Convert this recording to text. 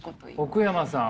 奥山さん。